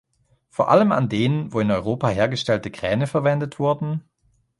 Vor allem an denen, wo in Europa hergestellte Kräne verwendet wurden?